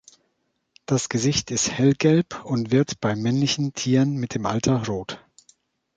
Das Gesicht ist hellgelb und wird bei männlichen Tieren mit dem Alter rot.